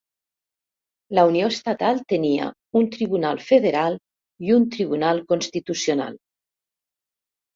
La Unió Estatal tenia un Tribunal Federal i un Tribunal Constitucional.